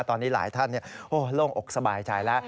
ตอนนี้หลายท่านโล่งอกสบายใจแล้ว